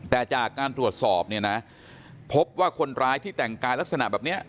แต่จากการตรวจสอบเนี่ยนะพบว่าคนร้ายที่แต่งกายลักษณะแบบนี้